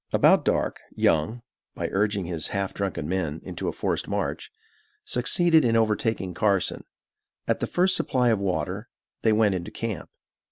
About dark, Young, by urging his half drunken men into a forced march, succeeded in overtaking Carson. At the first supply of water, they went into camp.